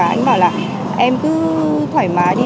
anh ấy bảo là em cứ thoải mái đi